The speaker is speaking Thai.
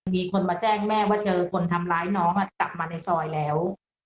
มีคนมาแจ้งแม่ว่าเจอคนทำร้ายน้องกลับมาในซอยแล้ว